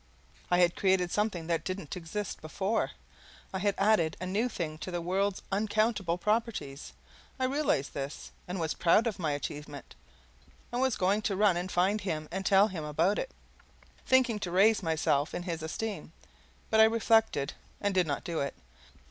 I had created something that didn't exist before; I had added a new thing to the world's uncountable properties; I realized this, and was proud of my achievement, and was going to run and find him and tell him about it, thinking to raise myself in his esteem but I reflected, and did not do it.